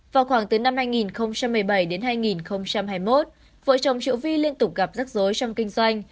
vào khoảng từ năm hai nghìn một mươi bảy đến hai nghìn hai mươi một vợ chồng triệu vi liên tục gặp rắc rối trong kinh doanh